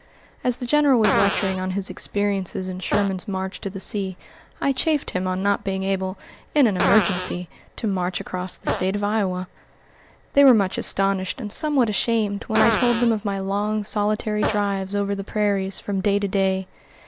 As the General was lecturing on his experiences in Sherman's march to the sea, I chaffed him on not being able, in an emergency, to march across the State of Iowa. They were much astonished and somewhat ashamed, when I told them of my long, solitary drives over the prairies from day to day.